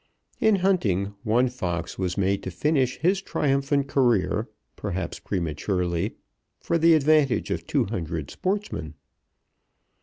In hunting, one fox was made to finish his triumphant career, perhaps prematurely, for the advantage of two hundred sportsmen.